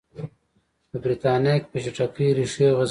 په برېټانیا کې په چټکۍ ریښې غځولې.